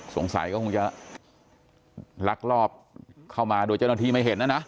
สงสัยก็คงจะลักลอบเข้ามาโดยเจ้าหน้าที่ไม่เห็นนะนะ